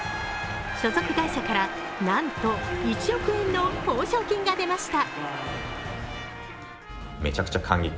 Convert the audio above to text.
所属会社から、なんと１億円の報奨金が出ました。